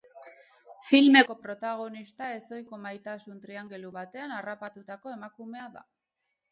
Filmeko protagonista ezohiko maitasun-triangelu batean harrapatutako emakumea da.